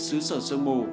sứ sở sương mù